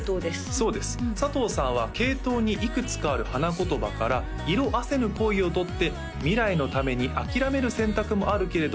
そうです佐藤さんはケイトウにいくつかある花言葉から「色褪せぬ恋」をとって「未来のために諦める選択もあるけれど」